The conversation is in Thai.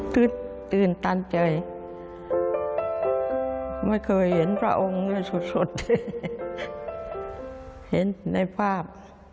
ตื่นตันใจไม่เคยเห็นพระองค์สุดที่เห็นในภาพ